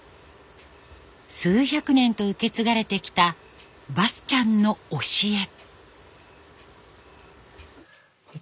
数百年と受け継がれてきたバスチャンの教え。